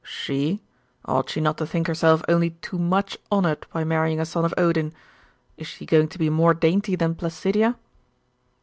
'She? Ought she not to think herself only too much honoured by marrying a son of Odin? Is she going to be more dainty than Placidia?